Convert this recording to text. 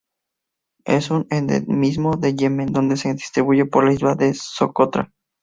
Es un endemismo de Yemen donde se distribuye por la isla de Socotra.